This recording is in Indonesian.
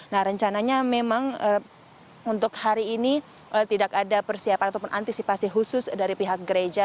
nah rencananya memang untuk hari ini tidak ada persiapan ataupun antisipasi khusus dari pihak gereja